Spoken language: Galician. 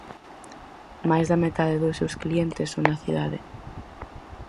Máis da metade dos seus clientes son da cidade.